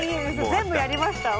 全部やりました。